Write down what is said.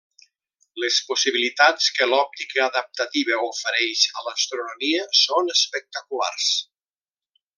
Les possibilitats que l'òptica adaptativa ofereix a l'astronomia són espectaculars.